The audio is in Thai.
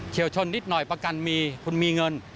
วชนนิดหน่อยประกันมีคุณมีเงิน